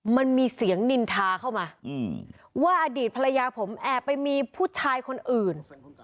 มันมีเสียงนินทาเข้ามาว่าอดีตภรรยาผมแอบไปมีผู้ชายคนอื่น